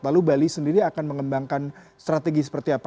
lalu bali sendiri akan mengembangkan strategi seperti apa